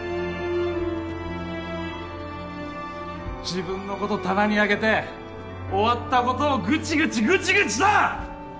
自分のこと棚に上げて終わったことをグチグチグチグチと！